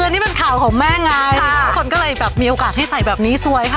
นี่มันข่าวของแม่ง่ายค่ะคนก็เลยแบบมีโอกาสให้ใส่แบบนี้สวยครับ